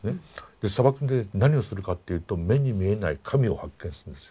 で砂漠で何をするかっていうと目に見えない神を発見するんです。